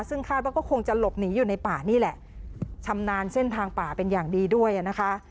ซึ่งคาดว่าก็คงจะหลบหนีอยู่ในป่านี่แหละชำนาญเส้นทางป่าเป็นอย่างดีด้วยอ่ะนะคะ